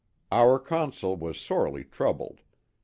Our Consul was sorely troubled.